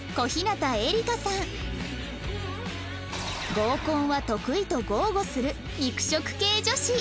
合コンは得意と豪語する肉食系女子